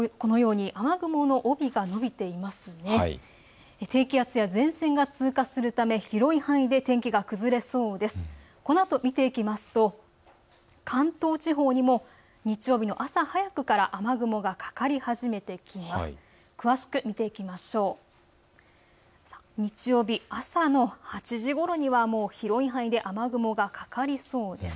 このあと見ていきますと関東地方にも日曜日の朝早くから雨雲がかかり始めていきます。